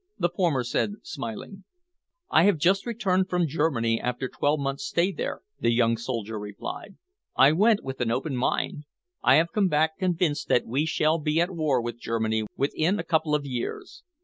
the former said, smiling. "I have just returned from Germany after twelve months' stay there," the young soldier replied. "I went with an open mind. I have come back convinced that we shall be at war with Germany within a couple of years."